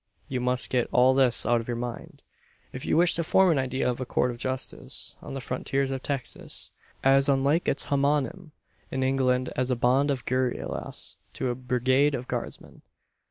You must get all this out of your mind, if you wish to form an idea of a Court of justice on the frontiers of Texas as unlike its homonym in England as a bond of guerillas to a brigade of Guardsmen.